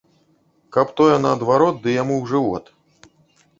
Каб тое наадварот ды яму ў жывот.